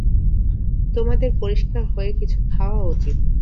তোমাদের পরিষ্কার হয়ে কিছু খাওয়া উচিত।